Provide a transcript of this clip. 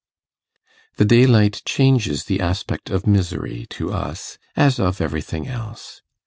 The daylight changes the aspect of misery to us, as of everything else.